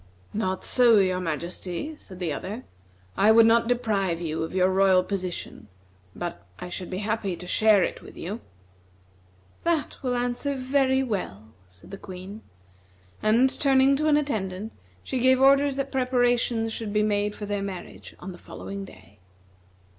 "Not so, your majesty," said the other; "I would not deprive you of your royal position, but I should be happy to share it with you." "That will answer very well," said the Queen. And turning to an attendant, she gave orders that preparations should be made for their marriage on the following day.